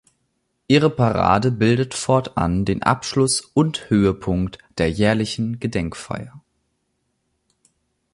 Ihre Parade bildete fortan den Abschluss und Höhepunkt der jährlichen Gedenkfeiern.